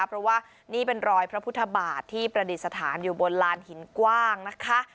เพราะว่านี่เป็นรอยพระพุทธบาทที่ประดิษฐานอยู่บนลานหินกว้างนะคะ